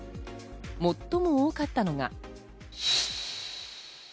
最も多かったのが。